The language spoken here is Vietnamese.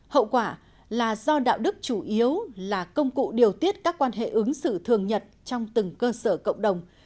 hậu quả là do đạo đức chủ yếu là công cụ điều tiết các quan hệ ứng xử thường nhật trong từng cơ sở cộng đồng